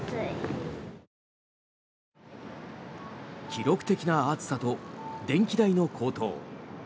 記録的な暑さと電気代の高騰。